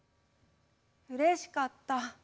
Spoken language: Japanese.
うれしかった。